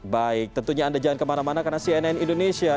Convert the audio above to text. baik tentunya anda jangan kemana mana karena cnn indonesia